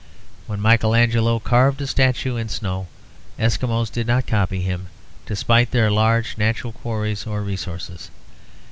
When Michael Angelo carved a statue in snow, Eskimos did not copy him, despite their large natural quarries or resources.